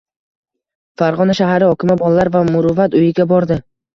Farg‘ona shahar hokimi Bolalar va Muruvvat uyiga bordi